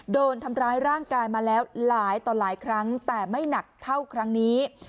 โดนทำร้ายร่างกายมาแล้วหลายต่อหลายครั้งแต่ไม่หนักเท่าครั้งนี้